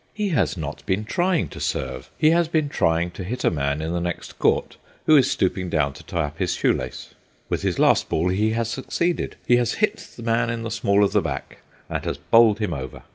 He has not been trying to serve; he has been trying to hit a man in the next court who is stooping down to tie up his shoe lace. With his last ball he has succeeded. He has hit the man in the small of the back, and has bowled him over.